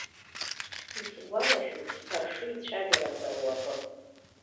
Исгәалашәоит сԥаршеи цәажәарақәа руакы.